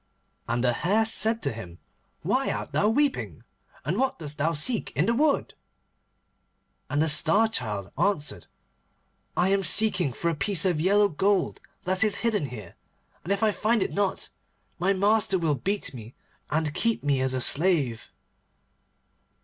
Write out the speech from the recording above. And the Hare said to him, 'Why art thou weeping? And what dost thou seek in the wood?' And the Star Child answered, 'I am seeking for a piece of yellow gold that is hidden here, and if I find it not my master will beat me, and keep me as a slave.